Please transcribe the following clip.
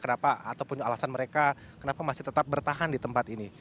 kenapa ataupun alasan mereka kenapa masih tetap bertahan di tempat ini